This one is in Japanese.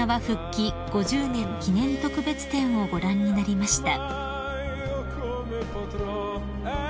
５０年記念特別展をご覧になりました］